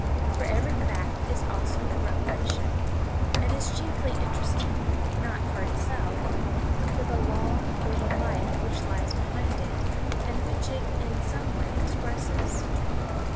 For every fact is also a revelation, and is chiefly interesting, not for itself, but for the law or the life which lies behind it and which it in some way expresses.